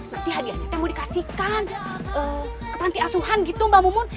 nanti hadiah kita mau dikasihkan ke panti asuhan gitu mbak mumun